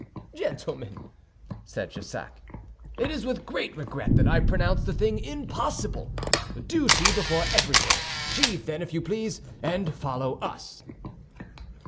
"Gentlemen," said Jussac, "it is with great regret that I pronounce the thing impossible. Duty before everything. Sheathe, then, if you please, and follow us."